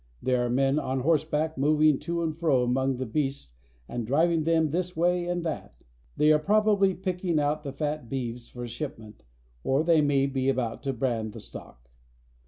There are men on horseback moving to and fro among the beasts and driv ing them this way and that. They are probably picking out the fat beeves for shipment, or they may be about to brand the stock.